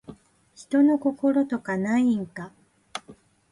人の心とかないんか